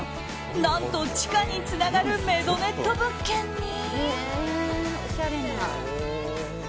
何と、地下につながるメゾネット物件に。